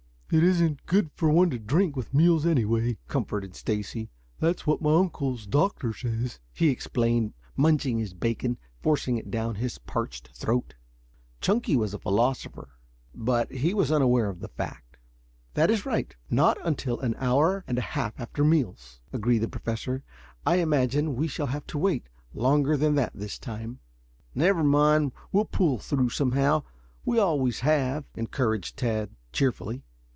"It isn't good for one to drink with meals anyway," comforted Stacy. "That's what my uncle's doctor says," he explained, munching his bacon, forcing it down his parched throat. Chunky was a philosopher, but he was unaware of the fact. "That is right. Not until an hour and a half after meals," agreed the Professor. "I imagine we shall have to wait longer than that this time." "Never mind; we'll pull through somehow. We always have," encouraged Tad cheerfully.